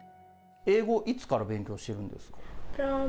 英語、いつから勉強してるんですか？